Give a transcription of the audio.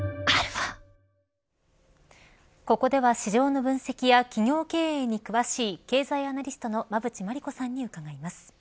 ここでは市場の分析や企業経営に詳しい経済アナリストの馬渕磨理子さんに伺います。